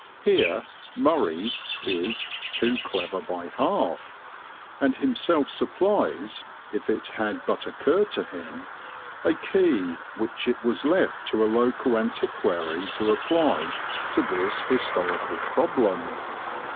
Here "Murray" is "too clever by half," and himself supplies, if it had but occurred to him, a key which it was left to a local antiquary to apply to this historical problem.